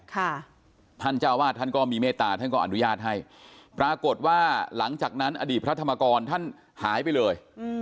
ท่านเจ้าวาดท่านก็มีเมตตาท่านก็อนุญาตให้ปรากฏว่าหลังจากนั้นอดีตพระธรรมกรท่านหายไปเลยอืม